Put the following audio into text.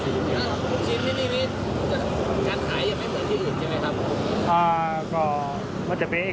สมมุติฉีดที่นี่พี่